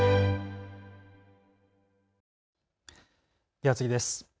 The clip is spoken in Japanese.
では次です。